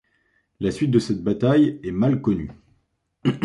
La suite de cette bataille est mal connue.